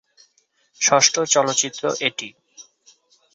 ষষ্ঠ চলচ্চিত্র এটি।